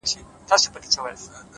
• زما شاعري وخوړه زې وخوړم؛